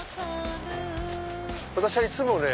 私はいつもね